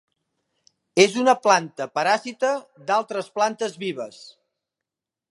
És una planta paràsita d'altres plantes vives.